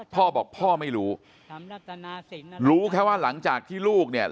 พ่อบอกพ่อไม่รู้รู้แค่ว่าหลังจากที่ลูกเนี่ย